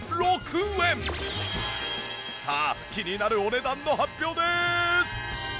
さあ気になるお値段の発表です！